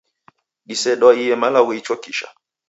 Disedwaiye malagho ichokisha.